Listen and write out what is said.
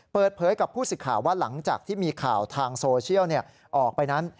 เปิดเผยกับผู้สิทธิ์ข่าวว่าหลังจากที่มีข่าวทางโซเชียลออกไปนั้น